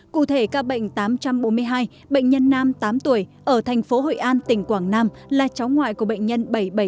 cụ thể ca bệnh tám trăm bốn mươi hai bệnh nhân nam tám tuổi ở tp hcm là cháu ngoại của bệnh nhân bảy trăm bảy mươi bốn